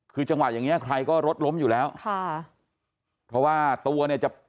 คือจังหวะอย่างเงี้ใครก็รถล้มอยู่แล้วค่ะเพราะว่าตัวเนี่ยจะ